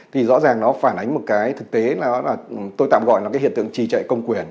thì rõ ràng nó phản ánh một cái thực tế tôi tạm gọi là hiện tượng trì trại công quyền